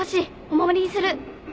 お守りにする